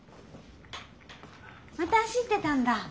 また走ってたんだ。